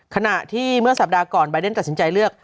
ขณะที่เมื่อสัปดาห์ก่อนบายเดนตัดสินใจเลือก